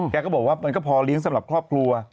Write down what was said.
แกก็บอกว่ามันก็พอเลี้ยงสำหรับครอบครัว